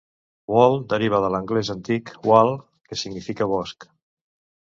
Wold deriva de l'anglès antic "Wald", que significa "bosc".